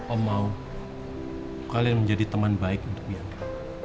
om mau kalian menjadi teman baik untuk bianca